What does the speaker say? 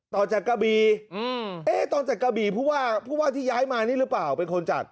ต่อจากกะบีตอนจากกะบีผู้ว่าผู้ว่าที่ย้ายมานี่หรือเปล่าเป็นคนจัด